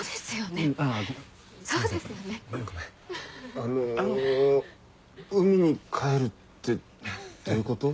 あの海に帰るってどういうこと？